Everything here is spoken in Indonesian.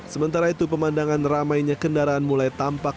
sementara itu pemandangan ramainya kendaraan mulai tampak